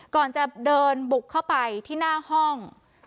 ก่อนจะเดินบุกเข้าไปที่หน้าห้อง